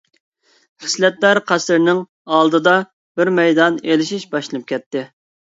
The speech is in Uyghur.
خىسلەتدار قەسىرنىڭ ئالدىدا بىر مەيدان ئېلىشىش باشلىنىپ كەتتى.